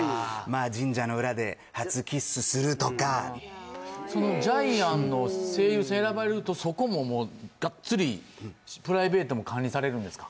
やっぱりこうそのジャイアンの声優さん選ばれるとそこももうがっつりプライベートも管理されるんですか？